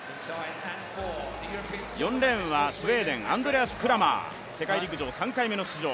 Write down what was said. ４レーンはスウェーデン、アンドレアス・クラマー、世界陸上４度目の出場。